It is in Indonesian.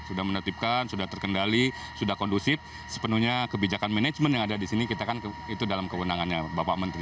sudah menertibkan sudah terkendali sudah kondusif sepenuhnya kebijakan manajemen yang ada di sini kita kan itu dalam kewenangannya bapak menteri